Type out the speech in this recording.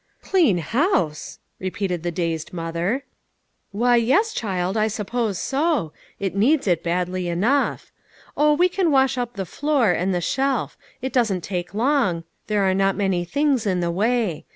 " Clean house !" repeated the dazed mother. "Why, yes, child, I suppose so. It needs it badly enough. Oh, we can wash up the floor, and the shelf. It doesn't take long; there are not many things in the way.